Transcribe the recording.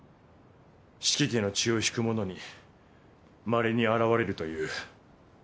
四鬼家の血を引く者にまれに現れるという。